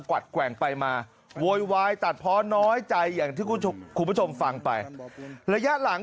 วัดแกว่งไปมาโวยวายตัดเพราะน้อยใจอย่างที่คุณผู้ชมฟังไประยะหลัง